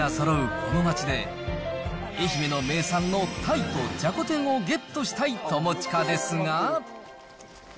この街で、愛媛の名産の鯛とじゃこ天をゲットしたい友近ですが。